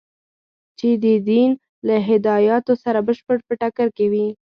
چې د دین له هدایاتو سره بشپړ په ټکر کې وي.